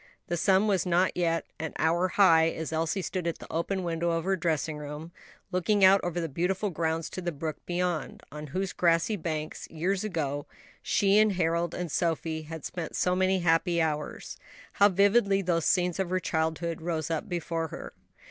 The sun was not yet an hour high as Elsie stood at the open window of her dressing room, looking out over the beautiful grounds to the brook beyond, on whose grassy banks, years ago, she and Harold and Sophie had spent so many happy hours. How vividly those scenes of her childhood rose up before her!